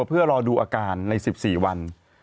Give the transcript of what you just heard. เพื่อรอดูอาการใน๑๔วัน